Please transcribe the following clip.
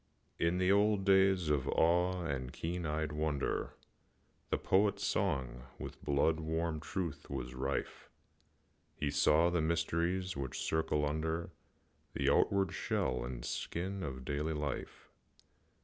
I. In the old days of awe and keen eyed wonder, The Poet's song with blood warm truth was rife; He saw the mysteries which circle under The outward shell and skin of daily life.